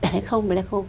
là không là không